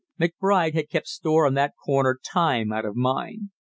McBride had kept store on that corner time out of mind.